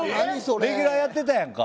レギュラーやってたやんか。